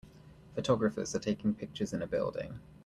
photographers are taking pictures in a building.